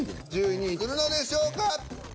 １０位にくるのでしょうか？